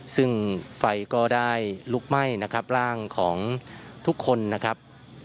ซึ่งไฟก็ได้ลุกไหม้นะครับร่างของทุกคนนะครับ